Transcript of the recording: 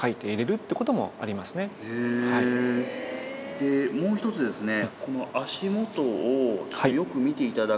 でもう一つですね。